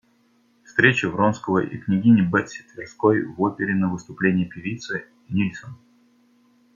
Встреча Вронского и княгини Бетси Тверской в опере на выступлении певицы Нильсон.